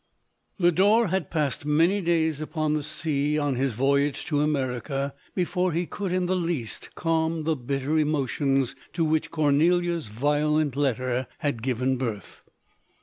Lodork had passed many days upon the sea, on his voyage to America, before he could in the least calm the bitter emotions to which Cornelia's violent letter had given birth.